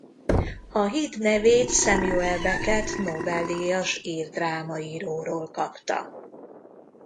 A híd nevét Samuel Beckett Nobel-díjas ír drámaíróról kapta.